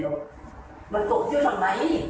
ปุ๊บปุ๊บปุ๊บปุ๊บ